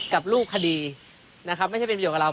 กับรูปคดีนะครับไม่ใช่เป็นประโยชนกับเรา